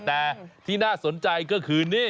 แต่ที่น่าสนใจก็คือนี่